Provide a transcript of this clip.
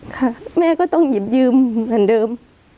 ค่ะแม่ก็ต้องหยิบยืมเหมือนเดิม